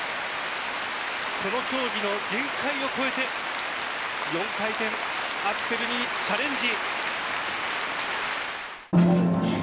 この競技の限界を超えて４回転アクセルにチャレンジ。